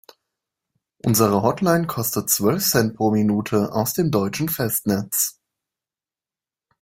Unsere Hotline kostet zwölf Cent pro Minute aus dem deutschen Festnetz.